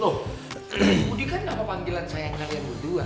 loh budi kan gak mau panggilan sayang karya berdua